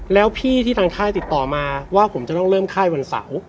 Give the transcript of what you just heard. แล้วพี่ที่ทางค่ายติดต่อมาว่าผมจะต้องเริ่มค่ายวันเสาร์